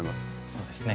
そうですね。